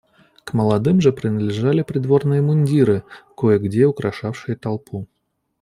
К молодым же принадлежали придворные мундиры, кое-где украшавшие толпу.